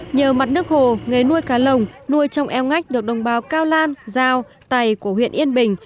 nhờ mặt nước hồ nghề nuôi cá lồng nuôi trong eo ngách được đồng bào cao lan giao tài của huyện yên bình